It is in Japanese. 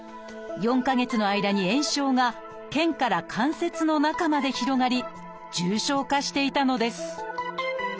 ４か月の間に炎症が腱から関節の中まで広がり重症化していたのです。